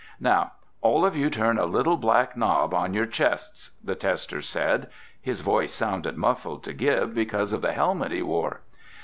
"Now, all of you turn the little black knob on your chests," the tester said. His voice sounded muffled to Gib because of the helmet he wore.